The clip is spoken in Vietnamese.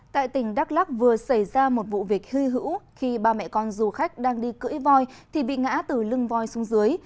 tại tỉnh đắk lắc vừa xảy ra một vụ việc hư hữu khi ba mẹ con du khách đang đi cưỡi voi thì bị ngã từ lưng voi xuống dưới